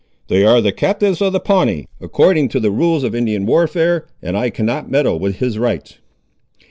"They are the captives of the Pawnee, according to the rules of Indian warfare, and I cannot meddle with his rights."